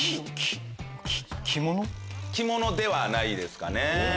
着物ではないですかね。